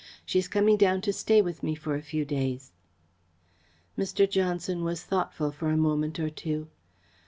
She is coming down to stay with me for a few days." Mr. Johnson was thoughtful for a moment or two.